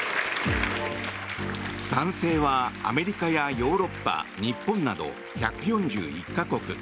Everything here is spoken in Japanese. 賛成は、アメリカやヨーロッパ日本など、１４１か国。